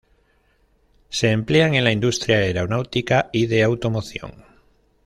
Se emplean en la industria aeronáutica y de automoción.